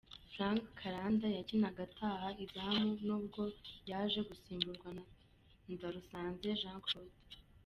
Frank Kalanda yakinaga ataha izamu nubwo yaje gusimburwa na Ndarusanze Jean Claude.